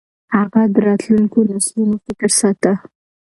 هغه د راتلونکو نسلونو فکر ساته.